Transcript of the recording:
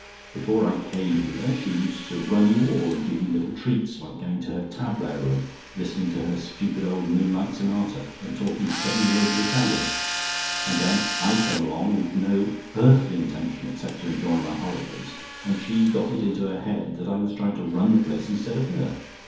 Before I came here, she used to run you all, and give you treats like going to her tableaux and listening to her stupid old Moonlight Sonata, and talking seven words of Italian. And then I came along with no earthly intention except to enjoy my holidays, and she got it into her head that I was trying to run the place instead of her.